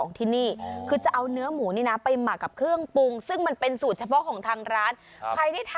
นี่นี่นี่แต่คุณดูหน้าตาก้นเครื่องล้นเครื่องนั่นขนาดนี้